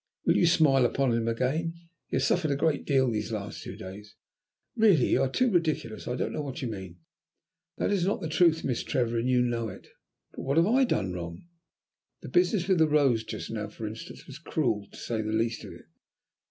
"Will you smile upon him again? He has suffered a great deal these last two days." "Really you are too ridiculous. I don't know what you mean." "That is not the truth, Miss Trevor, and you know it." "But what have I done wrong?" "That business with the rose just now, for instance, was cruel, to say the least of it."